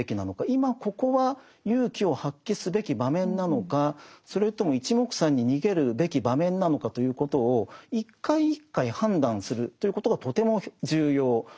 今ここは勇気を発揮すべき場面なのかそれともいちもくさんに逃げるべき場面なのかということを一回一回判断するということがとても重要なわけですね。